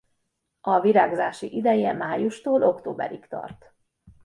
A virágzási ideje májustól októberig tart.